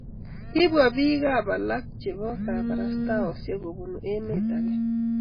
kibwa biikab alak chebo kabarastaosiek kobunu emet age